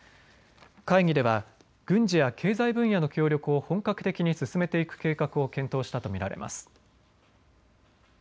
会議では軍事や経済分野の協力を本格的に進めていく計画を検討したと見られます。